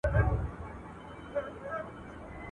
o د خره په تندي کي محراب نه وي.